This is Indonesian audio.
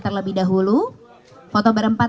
terlebih dahulu foto berempat